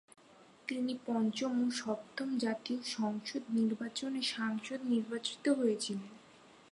তিনি পঞ্চম ও সপ্তম জাতীয় সংসদ নির্বাচনে সাংসদ নির্বাচিত হয়েছিলেন।